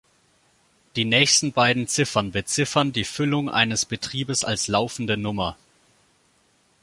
Die nächsten beiden Ziffern beziffern die Füllung eines Betriebes als laufende Nummer.